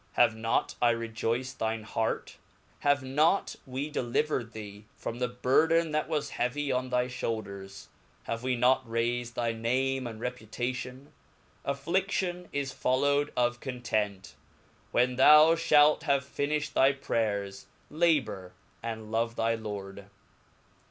Have not I rejoyced thine heart ? have not we delivered. thee from the burden that was heavy on thy fhoulders.? wchave raifed thy name and reputation, afflidionis followed of content; when thou (halt have finlQ^d thy prayers, labour, and love thy Lord.